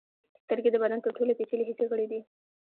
سترګې د بدن تر ټولو پیچلي حسي غړي دي.